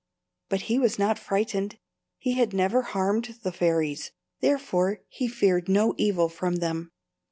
But he was not frightened. He had never harmed the fairies, therefore he feared no evil from them.